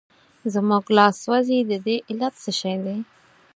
زموږ لاس سوځي د دې علت څه شی دی؟